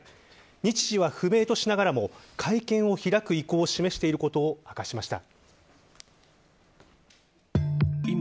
日時は不明としながらも会見を開く意向を示していることを明かしました。